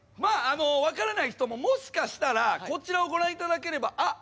分からない人ももしかしたらこちらをご覧頂ければあっ